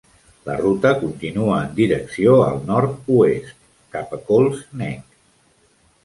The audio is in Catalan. La ruta continua en direcció al nord-oest cap a Colts Neck.